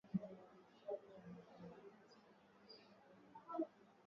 Ongeza kijiko cha chai cha mafuta ya kupikia